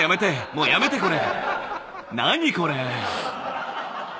もうやめてこれ！